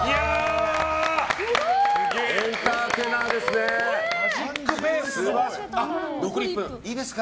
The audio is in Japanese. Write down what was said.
エンターテイナーですね。